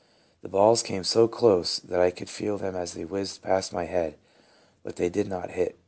The balls came so close that I could feel them as they whizzed past my head, but they did not hit.